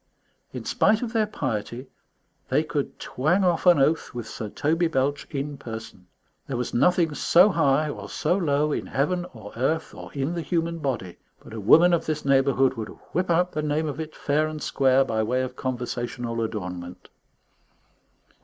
In spite of their piety, they could twang off an oath with Sir Toby Belch in person. There was nothing so high or so low, in heaven or earth or in the human body, but a woman of this neighbourhood would whip out the name of it, fair and square, by way of conversational adornment.